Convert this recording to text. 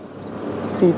thì tự nhiên là